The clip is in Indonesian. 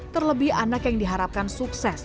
terlebih anak yang diharapkan sukses